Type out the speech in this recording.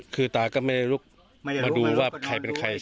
คือตาก็ไม่ได้ลุกมาดูว่าใครเป็นใคร